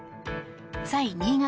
サイ新潟